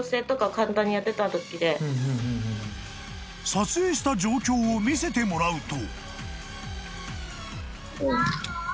［撮影した状況を見せてもらうと］